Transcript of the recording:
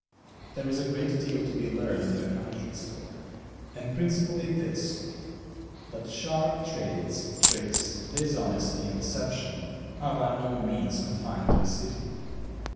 There is a great deal to be learned in a country store, and principally this that sharp trades, tricks, dishonesty, and deception are by no means confined to the city.